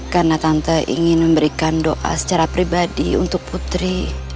karena tante ingin memberikan doa secara pribadi untuk putri